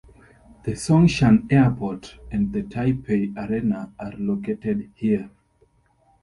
The Songshan Airport and the Taipei Arena are located here.